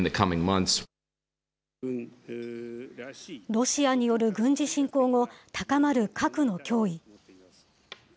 ロシアによる軍事侵攻後、高まる核の脅威。